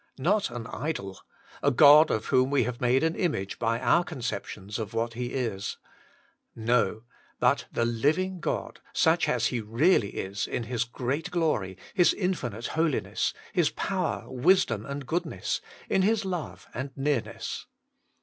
Not an idol, a God of whom we have made an image by our conceptions of what He is. No, but the living God. such as He really is 44 WAITING ON GOBI in His great glory, His infinite holiness, His power, wisdom, and goodness, in His love and nearness.